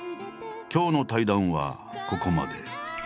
今日の対談はここまで。